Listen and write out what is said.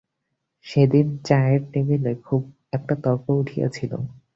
সেদিন চায়ের টেবিলে খুব একটা তর্ক উঠিয়াছিল।